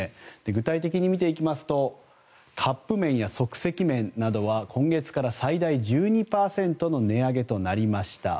具体的に見ていきますとカップ麺や即席麺などは今月から最大１２％の値上げとなりました。